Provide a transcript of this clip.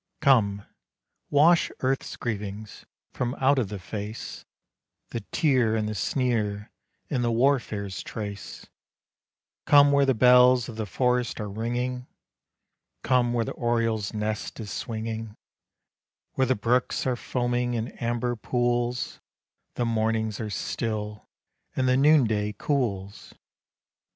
Come, wash earth's grievings from out of the face, The tear and the sneer and the warfare's trace, Come where the bells of the forest are ringing, Come where the oriole's nest is swinging, Where the brooks are foaming in amber pools, The mornings are still and the noonday cools.